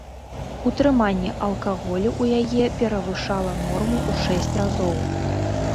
Утрыманне алкаголю ў яе перавышала норму ў шэсць разоў.